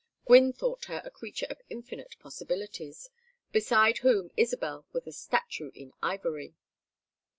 Gwynne thought her a creature of infinite possibilities, beside whom Isabel was a statue in ivory.